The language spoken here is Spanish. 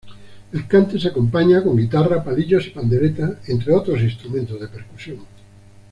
El cante se acompaña con guitarra, palillos y pandereta, entre otros instrumentos de percusión.